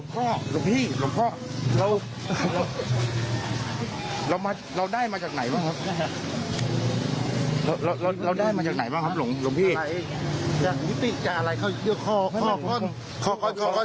ตรงพี่จากคอข้อน